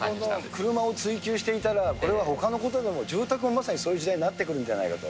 車を追求していたら、これはほかのことでも、住宅もまさにそういう時代になってくるんじゃないかと。